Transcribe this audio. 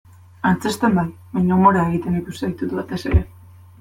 Antzezten bai, baina umorea egiten ikusi zaitut batez ere.